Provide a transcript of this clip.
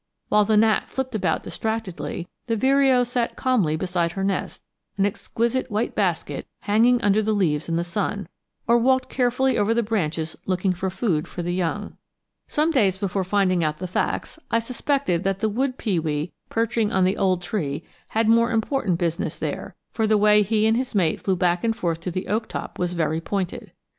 While the gnat flipped about distractedly, the vireo sat calmly beside her nest, an exquisite white basket hanging under the leaves in the sun, or walked carefully over the branches looking for food for the young. Some days before finding out the facts, I suspected that the wood pewee perching on the old tree had more important business there, for the way he and his mate flew back and forth to the oak top was very pointed.